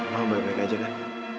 mama baik baik aja kan